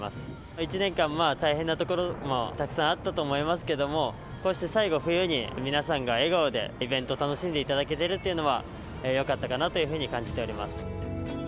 １年間、大変なところもたくさんあったと思いますけれども、こうして最後冬に皆さんが笑顔で、イベント楽しんでいただけてるっていうのは、よかったかなというふうに感じております。